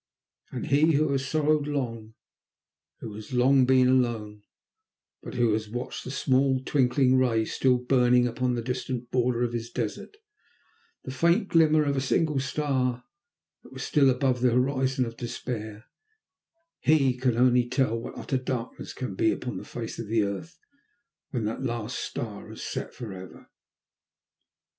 And he who has sorrowed long, who has long been alone, but who has watched the small, twinkling ray still burning upon the distant border of his desert the faint glimmer of a single star that was still above the horizon of despair he only can tell what utter darkness can be upon the face of the earth when that last star has set for ever.